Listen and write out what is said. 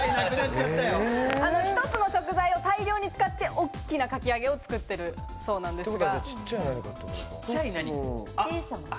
１つの食材を大量に使って、大きなかき揚げを作ってるそうなんですが。